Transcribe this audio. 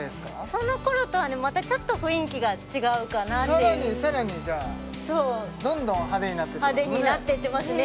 その頃とはねまたちょっと雰囲気が違うかなっていうさらにさらにじゃあどんどん派手になっていって派手になっていってますね